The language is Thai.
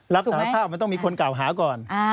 รับสารภาพมันต้องมีคนกล่าวหาก่อน